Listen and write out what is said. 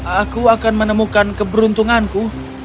aku akan menemukan keberuntunganku